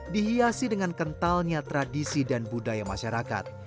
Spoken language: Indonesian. dihiasi dengan kentalnya tradisi dan budaya masyarakat